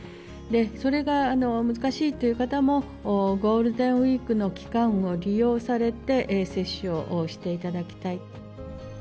それが難しいという方もゴールデンウィークの期間を利用されて、接種をしていただきたい。